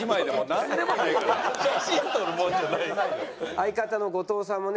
相方の後藤さんもね